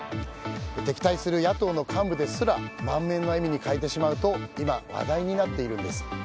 敵対する野党の幹部ですら満面の笑みに変えてしまうと今、話題になっているんです。